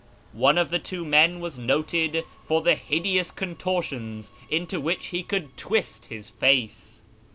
One of the two men was noted for the hideous contortions into which he could twist his face.